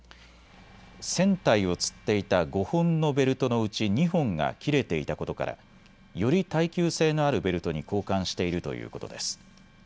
船体をつっていた５本のベルトのうち２本が切れていたことからより耐久性のあるベルトに交換しているということです。